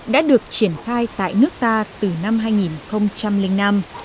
đã được triển khai tại nước ta từ năm hai nghìn năm